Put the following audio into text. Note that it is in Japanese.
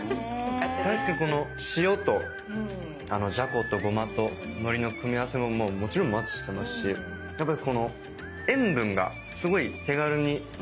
確かにこの塩とじゃことごまと海苔の組み合わせももちろんマッチしてますしやっぱりこの塩分がすごい手軽にとれるという。